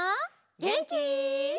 げんき？